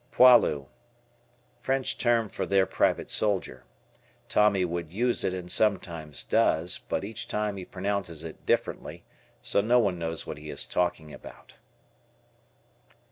Poilu. French term for their private soldier. Tommy would use it and sometimes does, but each time he pronounces it differently, so no one knows what he is talking about.